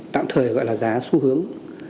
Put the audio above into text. tạm thời gọi là giá xu hướng